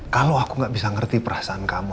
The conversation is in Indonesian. kalau aku gak bisa ngerti perasaan kamu